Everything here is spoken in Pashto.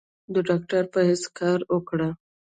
د ډاکټر پۀ حېث کار اوکړو ۔